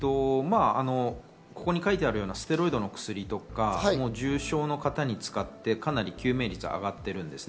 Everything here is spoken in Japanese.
ここに書いてあるステロイドの薬とか、重症の方に使って救命率がかなり上がってるんですね。